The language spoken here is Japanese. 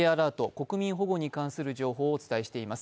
国民保護に関する情報をお伝えしています。